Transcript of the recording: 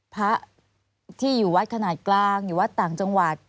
พระที่อยู่วัดขนาดกลางอยู่วัดต่างจังหวัด